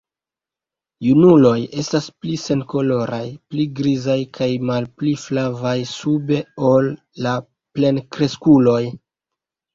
Junuloj estas pli senkoloraj, pli grizaj kaj malpli flavaj sube ol la plenkreskuloj.